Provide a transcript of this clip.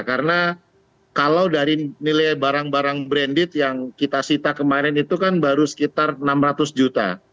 karena kalau dari nilai barang barang branded yang kita cita kemarin itu kan baru sekitar enam ratus juta